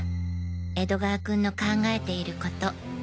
江戸川君の考えていること。